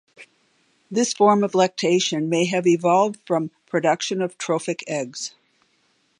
This form of lactation may have evolved from production of trophic eggs.